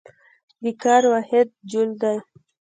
د کار واحد جول دی.